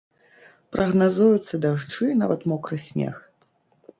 Прагназуюцца дажджы і нават мокры снег.